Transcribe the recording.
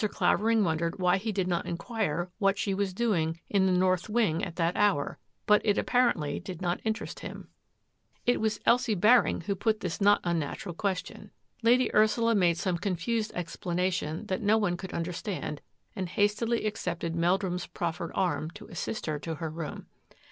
Clavering wondered why he did not inquire what she was doing in the north wing at that hour. But it apparently did not interest him. A NIGHT OF ADVENTURE 29 It was Elsie Baring who put this not unnatural question. Lady Ursula made some confused ex planation that no one could understand, and hastily accepted Meldrum's proffered arm to assist her to her room.